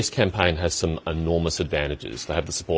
kampanye yes itu memiliki keuntungan yang sangat besar